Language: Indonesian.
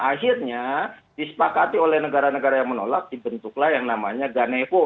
akhirnya disepakati oleh negara negara yang menolak dibentuklah yang namanya ganevo